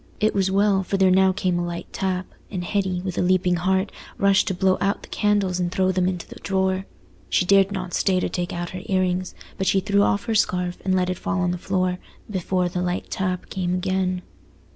It was well: for there now came a light tap, and Hetty, with a leaping heart, rushed to blow out the candles and throw them into the drawer. She dared not stay to take out her ear rings, but she threw off her scarf, and let it fall on the floor, before the light tap came again.